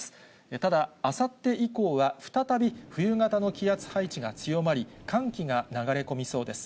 ただ、あさって以降は再び冬型の気圧配置が強まり、寒気が流れ込みそうです。